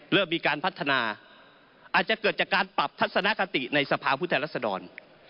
เริ่มมีการพัฒนาอาจจะเกิดจากการปรับทัศนคติในสภาพผู้แทนรัศดร